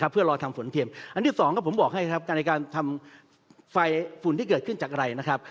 เพื่อรอทำฝนเทียมอันที่สองก็ผมบอกให้ครับการในการทำไฟฝุ่นที่เกิดขึ้นจากอะไรนะครับ